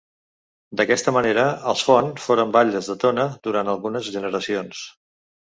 D'aquesta manera els Font foren batlles de Tona durant algunes generacions.